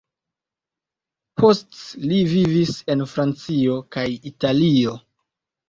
Poste li vivis en Francio kaj Italio.